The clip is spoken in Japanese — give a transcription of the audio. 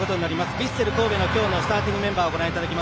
ヴィッセル神戸の今日のスターティングメンバー。